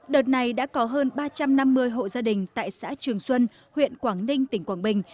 đợt này đã có hơn ba trăm năm mươi hộ gia đình tại xã trường xuân huyện quảng ninh tỉnh quảng bình